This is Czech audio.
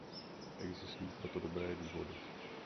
Existují pro to dobré důvody.